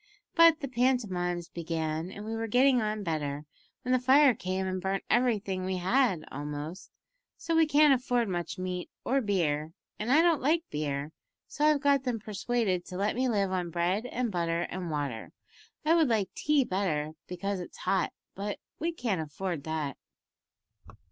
But the pantomimes began and we were getting on better, when the fire came and burnt everything we had almost, so we can't afford much meat or beer, and I don't like beer, so I've got them persuaded to let me live on bread and butter and water. I would like tea better, because it's hot, but we can't afford that."